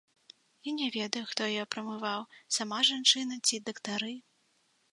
Я не ведаю, хто яе прамываў, сама жанчына ці дактары.